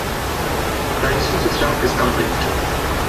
Digestive system is complete.